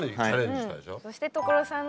そして所さんの。